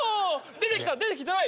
出てきた出てきてない